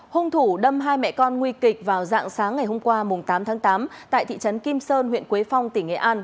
hung thủ đâm hai mẹ con nguy kịch vào dạng sáng ngày hôm qua tám tháng tám tại thị trấn kim sơn huyện quế phong tỉnh nghệ an